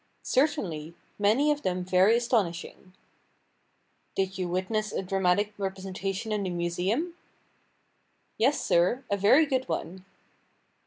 "Certainly; many of them very astonishing." "Did you witness a dramatic representation in the Museum?" "Yes, sir, a very good one."